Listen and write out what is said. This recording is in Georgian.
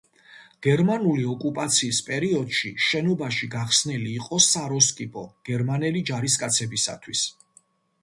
გერმანული ოკუპაციის პერიოდში შენობაში გახსნილი იყო საროსკიპო გერმანელი ჯარისკაცებისათვის.